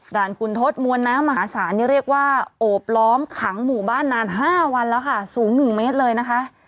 ด่านขุนทศมวณน้ำผลสารอบล้อมขังหมู่บ้านนาน๕วันแล้วค่ะสูง๑เมตรเลยนะคะ